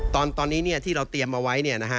ตอนนี้ที่เราเตรียมเอาไว้